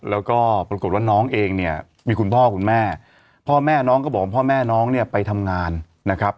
แล้วก็ปรากฏว่าน้องเองเนี่ยมีคุณพ่อคุณแม่พ่อแม่น้องก็บอกว่าพ่อแม่น้องเนี่ยไปทำงานนะครับ